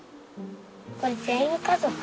これ全員家族？